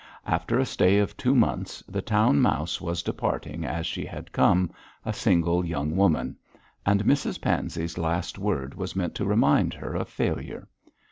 After a stay of two months, the town mouse was departing as she had come a single young woman; and Mrs Pansey's last word was meant to remind her of failure.